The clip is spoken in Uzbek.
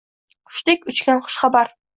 Qushdek uchgan xushxabar